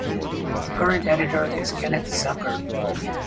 The current editor is Kenneth Zucker.